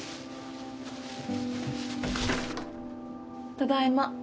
ただいま。